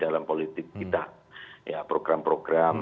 dalam politik kita ya program program